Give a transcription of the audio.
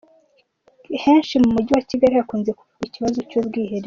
Henshi mu mujyi wa Kigali hakunze kuvugwa ikibazo cy’ubwiherero.